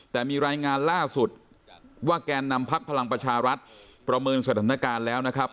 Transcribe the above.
แต่มีรายงานล่าสุดว่าแกนนำพักพลังประชารัฐประเมินสถานการณ์แล้วนะครับ